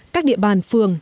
các địa bàn phường